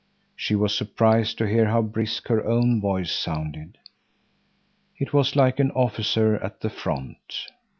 She was surprised to hear how brisk her own voice sounded; it was like an officer at the front.